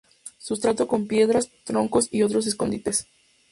Sustrato con piedras, troncos y otros escondites.